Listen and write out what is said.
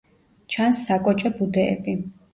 ჩანს საკოჭე ბუდეები.